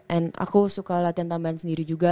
and aku suka latihan tambahan sendiri juga